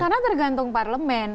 karena tergantung parlemen